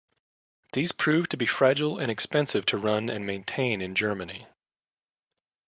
These proved to be fragile and expensive to run and maintain in Germany.